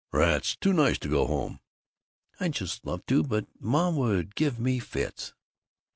"Rats! It's too nice to go home." "I'd just love to, but Ma would give me fits."